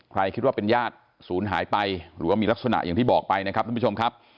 คิดว่าเป็นญาติศูนย์หายไปหรือว่ามีลักษณะอย่างที่บอกไปนะครับท่านผู้ชมครับ